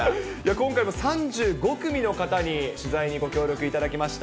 今回も３５組の方に取材にご協力いただきました。